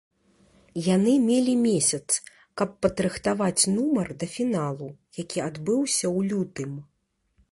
Яны мелі месяц, каб падрыхтаваць нумар да фіналу, які адбыўся ў лютым.